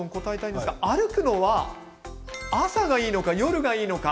歩くのは朝がいいのか夜がいいのか。